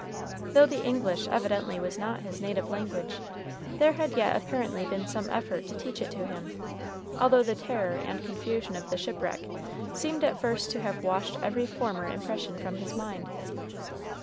Though the English evidently was not his native language, there had yet apparently been some effort to teach it to him, although the terror and confusion of the shipwreck seemed at first to have washed every former impression from his mind.